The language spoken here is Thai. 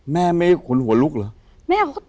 แม่ไม่ขนหัวลุกเหรอ